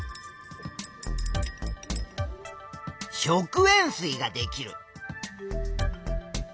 「食塩水」ができる。